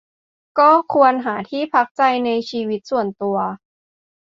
ก็ควรหาที่พักใจในชีวิตส่วนตัว